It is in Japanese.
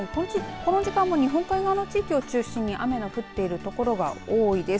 この時間も日本海側の地域を中心に、雨が降っているところが多いです。